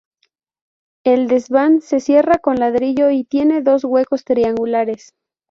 El desván se cierra con ladrillo y tiene dos huecos triangulares.